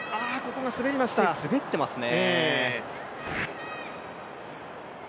滑ってますね。